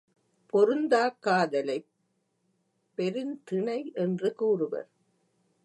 பொருந்தாக் காதலைப் பெருந்திணை என்று கூறுவர்.